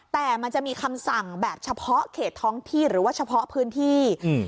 แต่มันจะมีคำสั่งแบบเฉพาะเขตท้องที่หรือว่าเฉพาะพื้นที่อืม